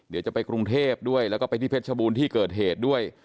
เดี๋ยวจะไปกรุงเทพด้วยแล้วก็ไปที่เพชรบูรณ์ที่เกิดเหตุด้วย